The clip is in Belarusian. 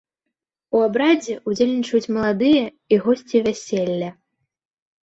У абрадзе ўдзельнічаюць маладыя і госці вяселля.